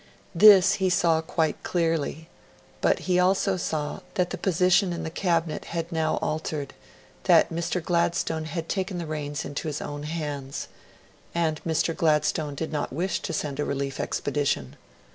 This he saw quite clearly; but he also saw that the position in the Cabinet had now altered, that Mr. Gladstone had taken the reins into his own hands. And Mr. Gladstone did not wish to send a relief expedition.